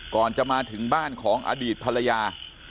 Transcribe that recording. ก่อนจะมาถึงบ้านของอดีตภรรยา